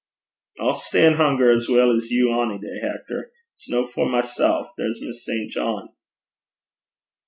'I'll stan' hunger as weel 's you ony day, Hector. It's no for mysel'. There's Miss St. John.'